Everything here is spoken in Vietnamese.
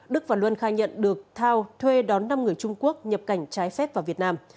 đức và luân khai nhận được thao thuê đón năm người trung quốc nhập cảnh trái phép vào việt nam